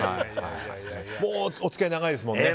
お付き合い長いですもんね。